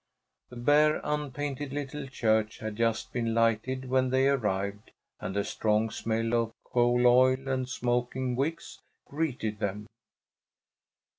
The bare, unpainted little church had just been lighted when they arrived, and a strong smell of coal oil and smoking wicks greeted them.